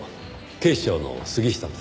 警視庁の杉下です。